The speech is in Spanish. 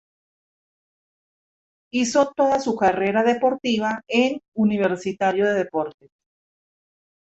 Hizo toda su carrera deportiva en Universitario de Deportes.